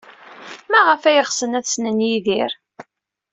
Maɣef ay ɣsen ad ssnen Yidir?